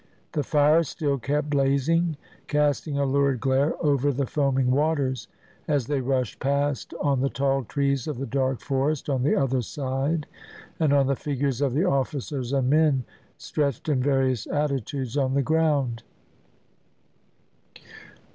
The fires still kept blazing, casting a lurid glare over the foaming waters as they rushed past, on the tall trees of the dark forest on the other side, and on the figures of the officers and men stretched in various attitudes on the ground.